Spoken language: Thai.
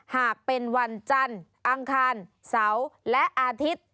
หากเป็นวันจันทร์อังคารเสาร์และอาทิตย์